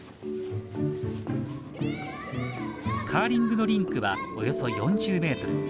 カーリングのリンクはおよそ４０ｍ。